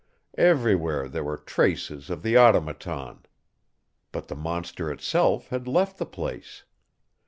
Everywhere there were traces of the Automaton. But the monster itself had left the place.